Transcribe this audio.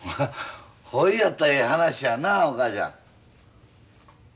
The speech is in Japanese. ほいやったらええ話やなお母ちゃん。